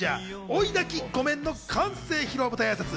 追い焚き☆御免』の完成披露舞台挨拶。